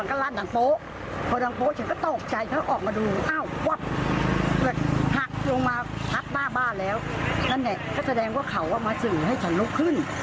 นั่นแหละก็แสดงว่าเขามาสื่อให้ฉันลุกขึ้น